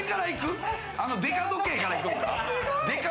あのデカ時計から行こうか。